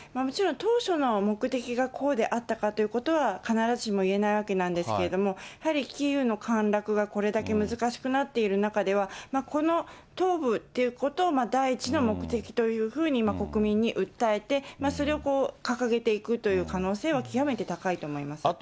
もちろん、当初の目的がこうであったかということは必ずしも言えないわけなんですけれども、やはりキーウの陥落がこれだけ難しくなっている中では、この東部っていうことを第一の目的というふうに国民に訴えて、それを掲げていくという可能性は極めて高いと思います。